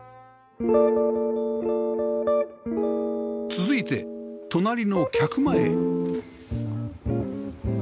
続いて隣の客間へ